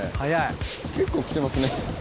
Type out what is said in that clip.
結構来てますね。